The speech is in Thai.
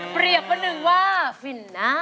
เปรียบประหนึ่งว่าฝินนะ